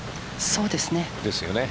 そうですね。